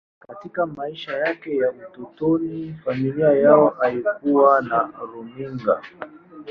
Katika maisha yake ya utotoni, familia yao haikuwa na runinga.